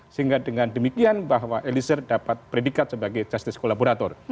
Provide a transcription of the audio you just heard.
sehingga dengan demikian bahwa eliezer dapat predikat sebagai justice kolaborator